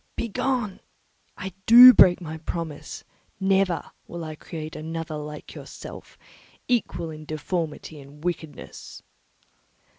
"Begone! I do break my promise; never will I create another like yourself, equal in deformity and wickedness."